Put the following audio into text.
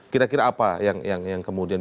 kira kira apa yang kemudian